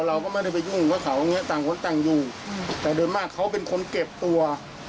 เราก็ไม่ได้ไปยุ่งกับเขาอย่างเงี้ต่างคนต่างอยู่แต่โดยมากเขาเป็นคนเก็บตัว